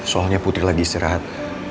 soalnya putri lagi istirahat